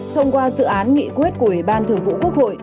thông qua dự án nghị quyết của ủy ban thường vụ quốc hội